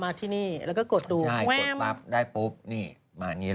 เรากดสี่เหลี่ยม